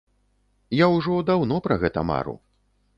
Я ўжо даўно пра гэта мару.